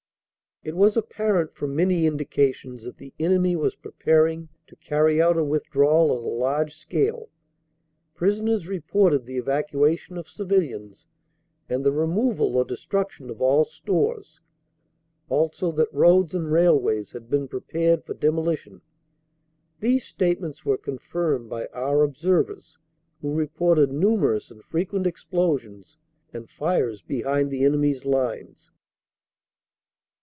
"It was apparent from many indications that the enemy was preparing to carry out a withdrawal on a large scale. Prisoners reported the evacuation of civilians and the removal or destruction of all stores, also that roads and railways had been prepared for demolition. These statements were con firmed by our observers, who reported numerous and fre quent explosions and fires behind the enemy s lines.